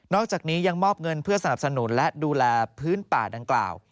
อกจากนี้ยังมอบเงินเพื่อสนับสนุนและดูแลพื้นป่าดังกล่าว